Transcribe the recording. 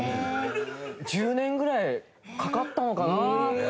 １０年ぐらいかかったのかな？